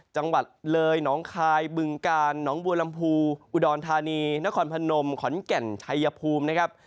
จังหวัดเลยหนองคายบึงกาลหนองบัวลำพูอุดรธานีนครพนมขอนแก่นชัยภูมินะครับ